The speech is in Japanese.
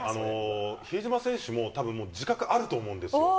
比江島選手もたぶん自覚あると思うんですよ。